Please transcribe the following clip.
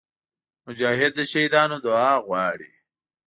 مجاهد د شهیدانو دعا غواړي.